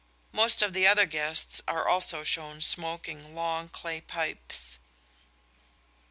Most of the other guests are also shown smoking long clay pipes.